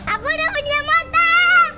aku udah punya motor